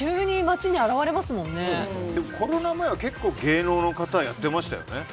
でも、コロナ前は結構、芸能の方やってましたよね。